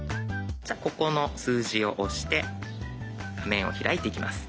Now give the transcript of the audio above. じゃここの数字を押して画面を開いていきます。